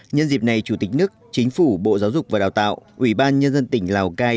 nhân dịp này chủ tịch nước chính phủ bộ giáo dục và đào tạo ủy ban nhân dân tỉnh lào cai